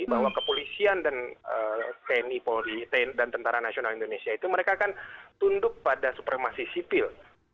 bahwa kepolisian dan tni dan tni itu mereka akan tunduk pada supremasi sipil